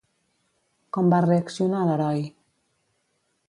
Com va reaccionar l'heroi?